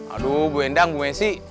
aduh bu hendang bu wensi